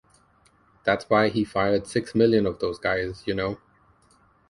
That's why he fried six million of those guys, you know.